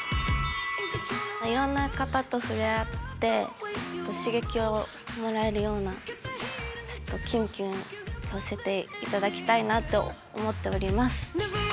色んな方と触れ合って刺激をもらえるようなちょっとキュンキュンさせて頂きたいなと思っております。